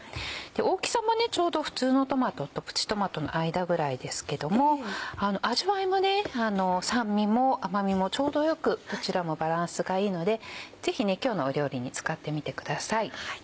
大きさもちょうど普通のトマトとプチトマトの間ぐらいですけども味わいは酸味も甘味もちょうどよくどちらもバランスがいいのでぜひ今日の料理に使ってみてください。